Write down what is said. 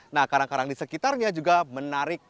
nah karang karang di sekitarnya juga menarik